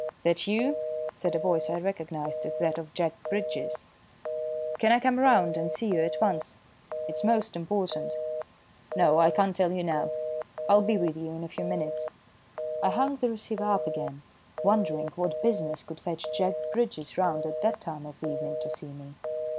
"That you?" said a voice I recognised as that of Jack Bridges. "Can I come round and see you at once? It's most important. No, I can't tell you now. I'll be with you in a few minutes." I hung the receiver up again, wondering what business could fetch Jack Bridges round at that time of the evening to see me.